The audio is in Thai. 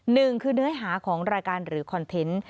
หนึ่งคือเนื้อหาของรายการหรือคอนเทนต์